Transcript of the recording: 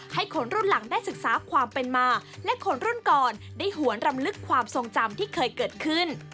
ให้คนรุ่นหลังได้ศึกษาความเป็นมาและคนรุ่นก่อนได้หวนรำลึกความทรงจำที่เคยเกิดขึ้น